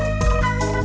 tete aku mau